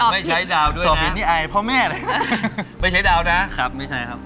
ไม่ใช้ดาวด้วยเราเห็นนี่อายพ่อแม่เลยนะไม่ใช้ดาวนะครับไม่ใช่ครับ